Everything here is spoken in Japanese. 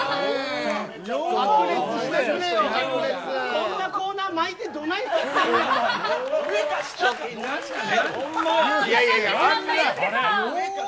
こんなコーナー巻いてどないすんねん。